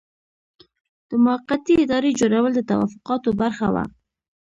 د موقتې ادارې جوړول د توافقاتو برخه وه.